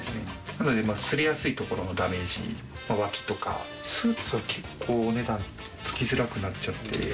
なので、すれやすいところのダメージ、脇とか、スーツは結構、お値段つきづらくなっちゃって。